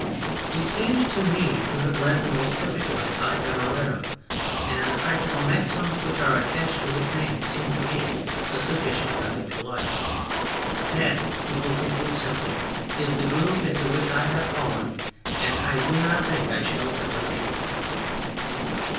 He seems to me to have led the most perfect life I ever read of, and the practical maxims which are attached to His Name seem to me a sufficient guide to life. That," he will conclude simply, "is the groove into which I have fallen, and I do not think I shall ever leave it."